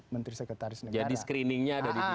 menteri sekretaris jadi screeningnya